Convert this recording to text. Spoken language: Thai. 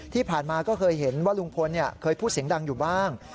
ที่ผ่านมาก็เคยเห็นว่าลุงพลเคยพูดเสียงดังอยู่บ้าง